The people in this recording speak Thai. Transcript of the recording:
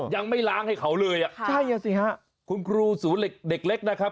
ยังไม่ล้างให้เขาเลยอ่ะค่ะใช่อ่ะสิฮะคุณครูศูนย์เด็กเด็กเล็กนะครับ